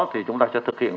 thì chúng ta sẽ thực hiện